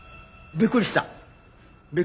びっくりした。